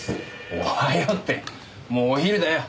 おはようってもうお昼だよ。